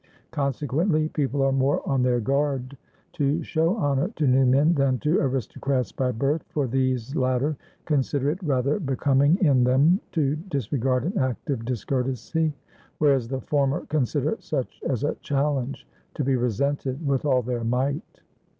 Consequently peo ple are more on their guard to show honor to new men than to aristocrats by birth, for these latter consider it rather becoming in them to disregard an act of dis courtesy, whereas the former consider such as a chal lenge, to be resented with all their might."